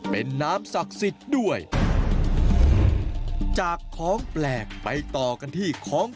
เป็นน้ำศักดิ์สิทธิ์ด้วยจากของแปลกไปต่อกันที่ของ